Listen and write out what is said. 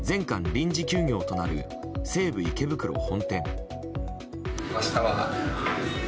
臨時休業となる西武池袋本店。